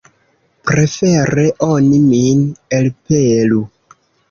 Prefere oni min elpelu.